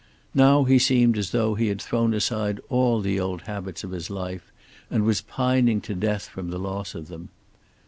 Now he seemed as though he had thrown aside all the old habits of his life, and was pining to death from the loss of them.